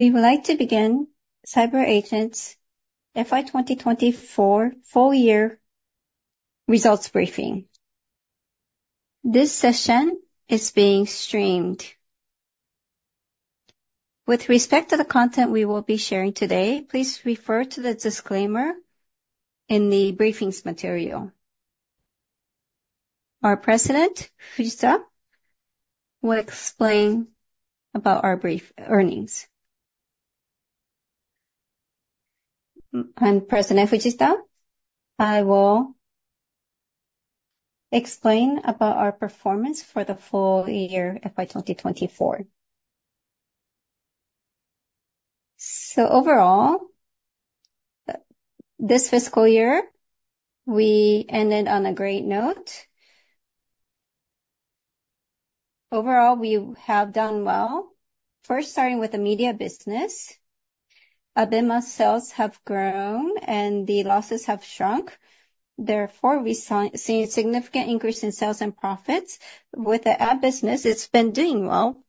We would like to begin CyberAgent's FY 2024 full-year results briefing. This session is being streamed. With respect to the content we will be sharing today, please refer to the disclaimer in the briefing materials. Our President, Fujita, will explain about our brief earnings, and President Fujita, I will explain about our performance for the full-year FY 2024, so overall, this fiscal year we ended on a great note. Overall, we have done well. First, starting with the media business, ABEMA sales have grown and the losses have shrunk. Therefore, we see a significant increase in sales and profits. With the ad business, it's been doing well,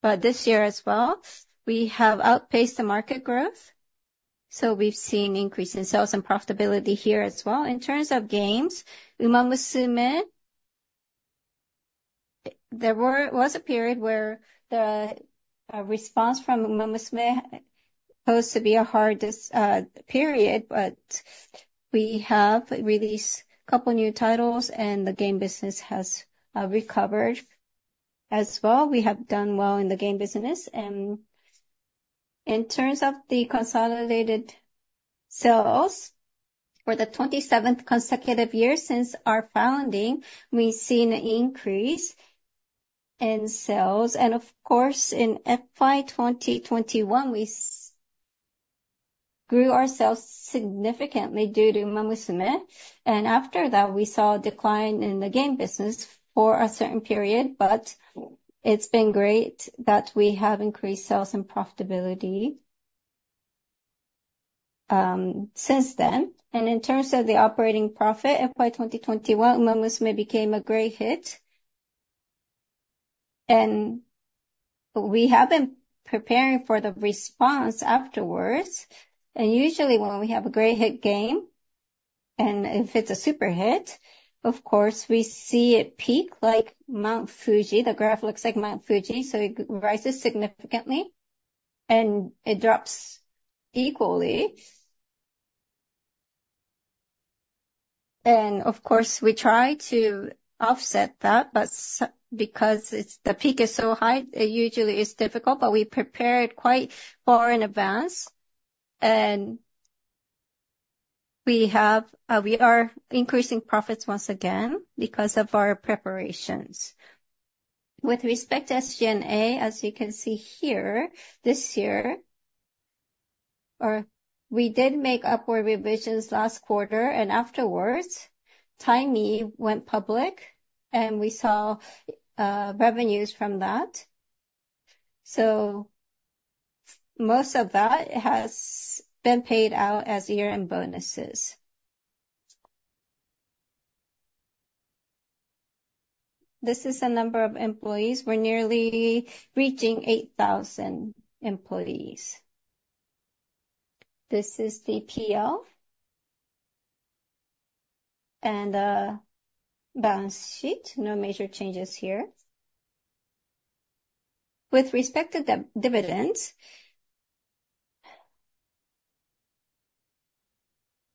but this year as well, we have outpaced the market growth, so we've seen an increase in sales and profitability here as well. In terms of games, Uma Musume, there was a period where the response from Uma Musume was supposed to be a hard period, but we have released a couple of new titles and the game business has recovered as well. We have done well in the game business. In terms of the consolidated sales, for the 27th consecutive year since our founding, we've seen an increase in sales. Of course, in FY 2021, we grew our sales significantly due to Uma Musume. After that, we saw a decline in the game business for a certain period, but it's been great that we have increased sales and profitability since then. In terms of the operating profit, FY 2021, Uma Musume became a great hit. We have been preparing for the response afterwards. Usually when we have a great hit game, and if it's a super hit, of course we see it peak like Mount Fuji. The graph looks like Mount Fuji, so it rises significantly and it drops equally. And of course, we try to offset that, but because the peak is so high, it usually is difficult, but we prepared quite far in advance. And we are increasing profits once again because of our preparations. With respect to SG&A, as you can see here, this year, we did make upward revisions last quarter, and afterwards, Timee went public and we saw revenues from that. So most of that has been paid out as year-end bonuses. This is the number of employees. We're nearly reaching 8,000 employees. This is the PL and balance sheet. No major changes here. With respect to dividends,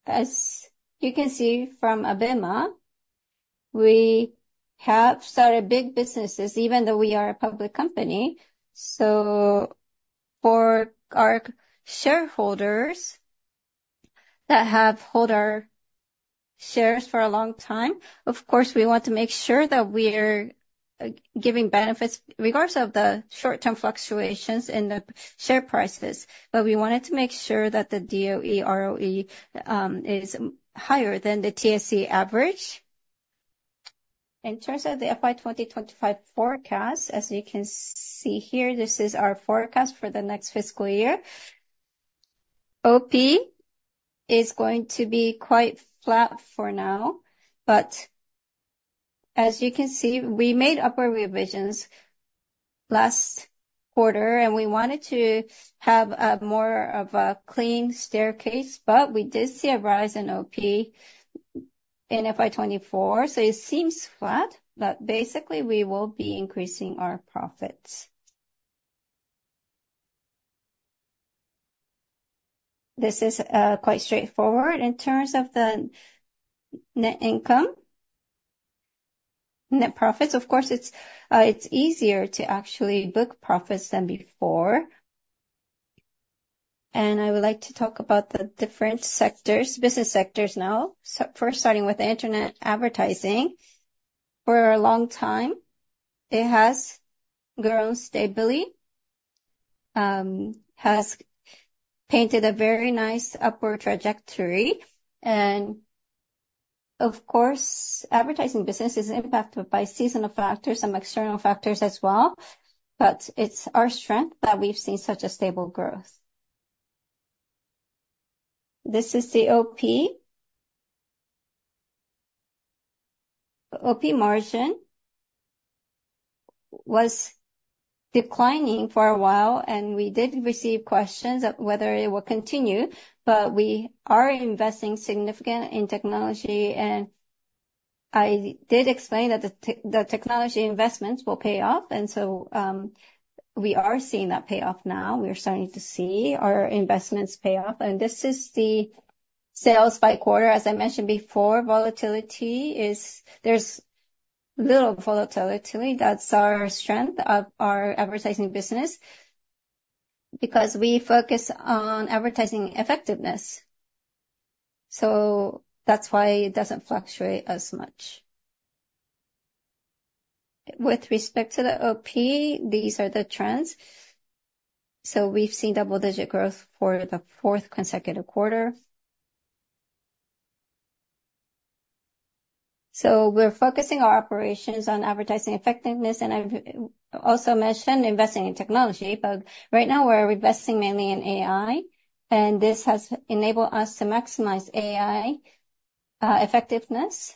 as you can see from ABEMA, we have started big businesses even though we are a public company, so for our shareholders that have held our shares for a long time, of course, we want to make sure that we are giving benefits in regards to the short-term fluctuations in the share prices, but we wanted to make sure that the DOE ROE is higher than the TSE average. In terms of the FY 2025 forecast, as you can see here, this is our forecast for the next fiscal year. OP is going to be quite flat for now, but as you can see, we made upward revisions last quarter and we wanted to have more of a clean staircase, but we did see a rise in OP in FY 2024, so it seems flat, but basically we will be increasing our profits. This is quite straightforward in terms of the net income, net profits. Of course, it's easier to actually book profits than before, and I would like to talk about the different sectors, business sectors now, first starting with internet advertising. For a long time, it has grown stably, has painted a very nice upward trajectory, and of course, advertising business is impacted by seasonal factors and external factors as well, but it's our strength that we've seen such a stable growth. This is the OP. OP margin was declining for a while and we did receive questions of whether it will continue, but we are investing significantly in technology, and I did explain that the technology investments will pay off, and so we are seeing that payoff now. We're starting to see our investments pay off, and this is the sales by quarter. As I mentioned before, volatility is. There's little volatility. That's our strength of our advertising business because we focus on advertising effectiveness. So that's why it doesn't fluctuate as much. With respect to the OP, these are the trends. So we've seen double-digit growth for the fourth consecutive quarter. So we're focusing our operations on advertising effectiveness. And I also mentioned investing in technology, but right now we're investing mainly in AI. And this has enabled us to maximize AI effectiveness.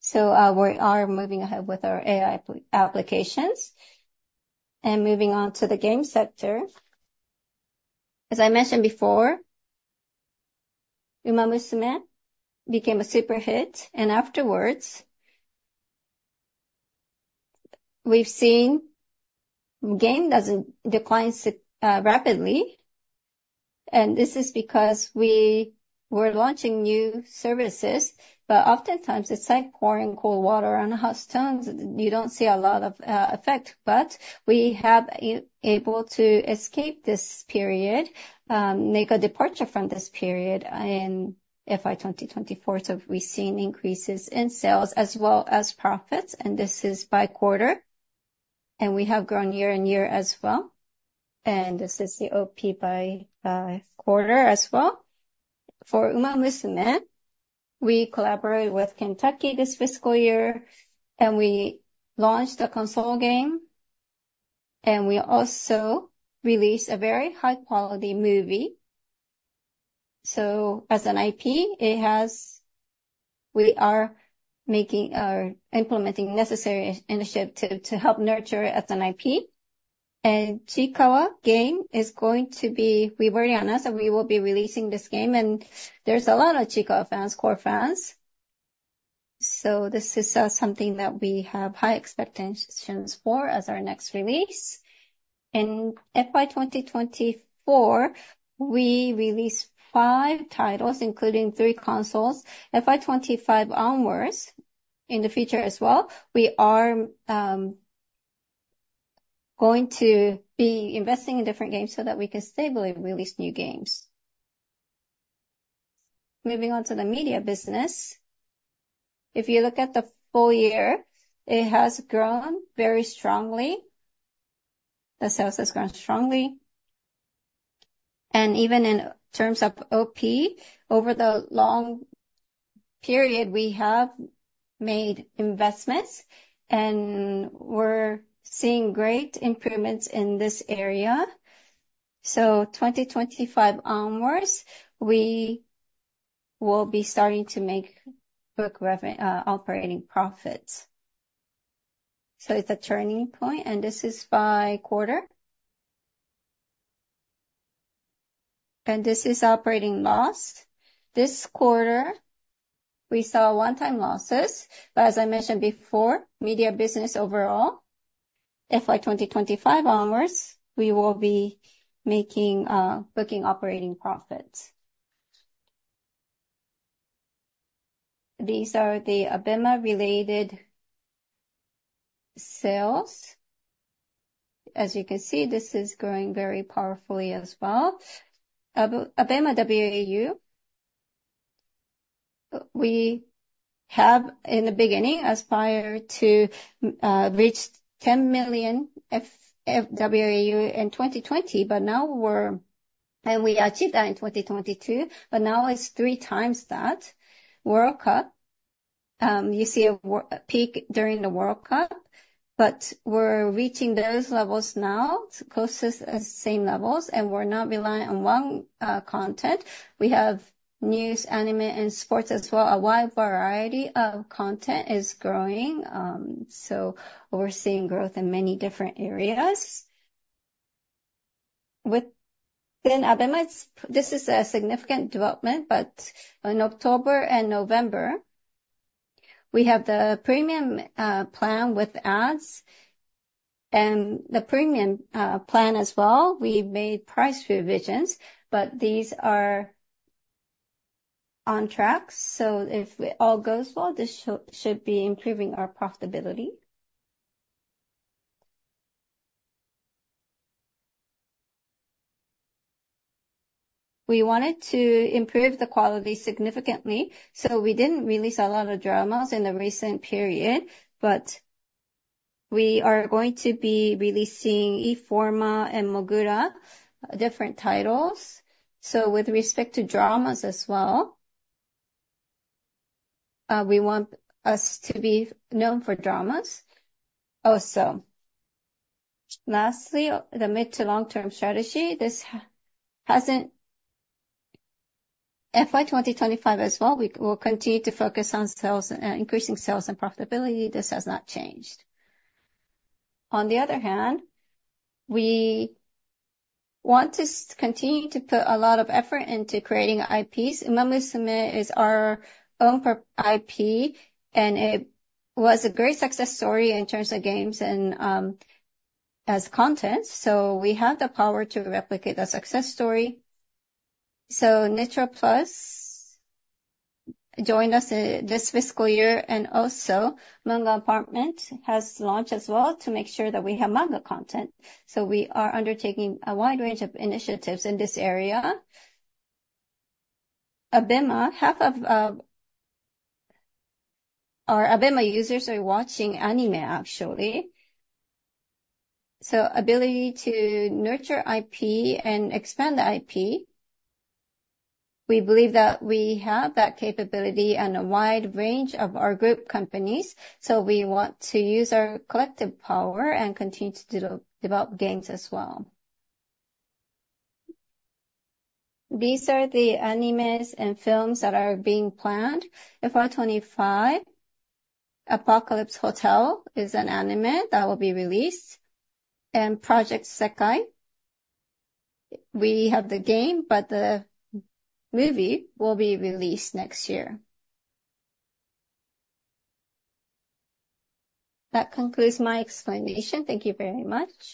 So we are moving ahead with our AI applications and moving on to the game sector. As I mentioned before, Uma Musume became a super hit. And afterwards, we've seen the game decline rapidly. And this is because we were launching new services, but oftentimes it's like pouring cold water on hot stones. You don't see a lot of effect, but we have been able to escape this period, make a departure from this period in FY 2024. So we've seen increases in sales as well as profits. And this is by quarter. And we have grown year on year as well. And this is the OP by quarter as well. For Uma Musume, we collaborated with Kentucky this fiscal year and we launched a console game. And we also released a very high-quality movie. So as an IP, we are making or implementing necessary initiatives to help nurture it as an IP. And Chiikawa game is going to be reverting on us. And we will be releasing this game. And there's a lot of Chiikawa fans, core fans. So this is something that we have high expectations for as our next release. In FY 2024, we released five titles, including three consoles. FY 2025 onwards, in the future as well, we are going to be investing in different games so that we can stably release new games. Moving on to the media business, if you look at the full year, it has grown very strongly. The sales has grown strongly, and even in terms of OP, over the long period, we have made investments and we're seeing great improvements in this area, so 2025 onwards, we will be starting to make book revenue, operating profits, so it's a turning point, and this is by quarter and this is operating loss this quarter. We saw one-time losses, but as I mentioned before, media business overall, FY 2025 onwards, we will be making booking operating profits. These are the ABEMA-related sales. As you can see, this is growing very powerfully as well. ABEMA WAU, we have in the beginning aspired to reach 10 million WAU in 2020, but now we're, and we achieved that in 2022, but now it's three times that. World Cup, you see a peak during the World Cup, but we're reaching those levels now, closest as same levels. And we're not relying on one content. We have news, anime, and sports as well. A wide variety of content is growing. So we're seeing growth in many different areas. Within ABEMA, this is a significant development, but in October and November, we have the premium plan with ads and the premium plan as well. We made price revisions, but these are on track. So if it all goes well, this should be improving our profitability. We wanted to improve the quality significantly. We didn't release a lot of dramas in the recent period, but we are going to be releasing Informa and Mogura, different titles. With respect to dramas as well, we want us to be known for dramas also. Lastly, the mid- to long-term strategy, this hasn't FY 2025 as well, we will continue to focus on sales and increasing sales and profitability. This has not changed. On the other hand, we want to continue to put a lot of effort into creating IPs. Uma Musume is our own IP and it was a great success story in terms of games and as content. We have the power to replicate the success story. Nitroplus joined us this fiscal year and also Manga Apartment has launched as well to make sure that we have manga content. We are undertaking a wide range of initiatives in this area. ABEMA, half of our ABEMA users are watching anime, actually. So, ability to nurture IP and expand the IP. We believe that we have that capability and a wide range of our group companies. So we want to use our collective power and continue to develop games as well. These are the animes and films that are being planned. FY 2025, Apocalypse Hotel is an anime that will be released, and Project Sekai, we have the game, but the movie will be released next year. That concludes my explanation. Thank you very much.